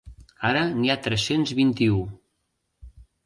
Ara n’hi ha tres-cents vint-i-u.